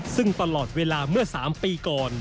ซึ่งตลอดเวลาเมื่อ๓ปีก่อน